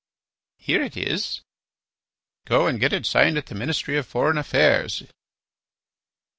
"Here it is." "Go and get it signed at the Ministry of Foreign Affairs."